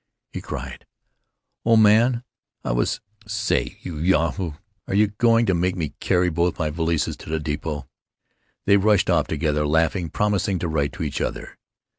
He cried: "Old man, I was——Say, you yahoo, are you going to make me carry both my valises to the depot?" They rushed off together, laughing, promising to write to each other.